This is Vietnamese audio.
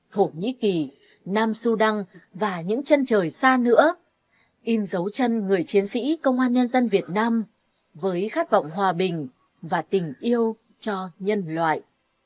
thổ nhĩ kỳ nam sudan và những chân trời xa nữa in dấu chân người chiến sĩ công an nhân dân việt nam với khát vọng hòa bình và tình yêu cho nhân loại